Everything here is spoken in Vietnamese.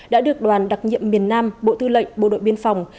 đã được đoàn đặc nhiệm miền nam bộ tư lệnh bộ đội biên phòng